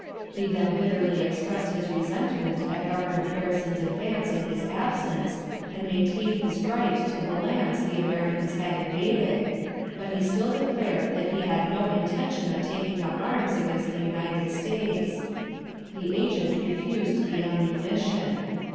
He then bitterly expressed his resentment at Governor Harrison's advance in his absence, and maintained his right to the lands the Americans had invaded, but he still declared that he had no intention of taking up arms against the United States. The agent refused the ammunition.